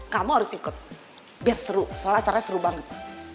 kamu harus ikut biar seru soal acaranya seru banget